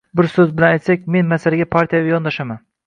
Bir so‘z bilan aytsak, men masalaga partiyaviy yondashaman.